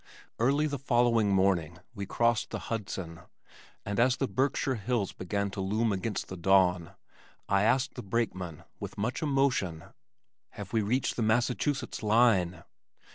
Early the following morning we crossed the Hudson, and as the Berkshire hills began to loom against the dawn, I asked the brakeman, with much emotion, "Have we reached the Massachusetts line?"